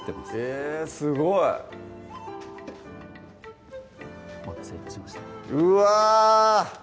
えぇすごいお待たせ致しましたうわ！